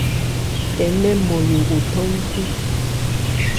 Tɛmɛ Nmɔyo othán nkhú.